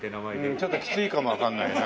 ちょっときついかもわかんないな。